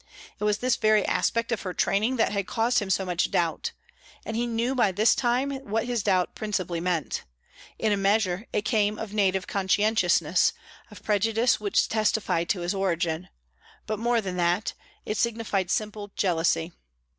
It was this very aspect of her training that had caused him so much doubt. And he knew by this time what his doubt principally meant; in a measure, it came of native conscientiousness, of prejudice which testified to his origin; but, more than that, it signified simple jealousy.